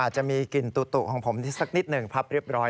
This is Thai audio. จะมีกลิ่นตุของผมที่สักนิดหนึ่งพับเรียบร้อย